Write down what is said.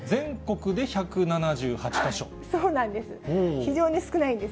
そうなんです。